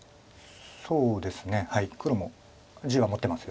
そうですね黒も地は持ってます。